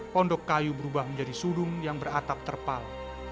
pondok kayu berubah menjadi sudung yang beratap terpal